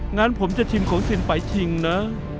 งั้นผมจะชิมของสินไปชิงนะ